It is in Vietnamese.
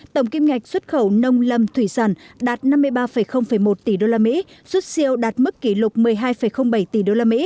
tổng kim ngạch xuất khẩu nông lâm thủy sản đạt năm mươi ba một tỷ usd xuất siêu đạt mức kỷ lục một mươi hai bảy tỷ usd